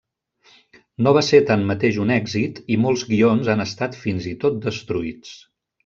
No va ser tanmateix un èxit i molts guions han estat fins i tot destruïts.